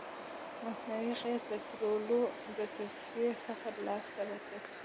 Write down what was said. مصنوعي قیر د پطرولو د تصفیې څخه لاسته راځي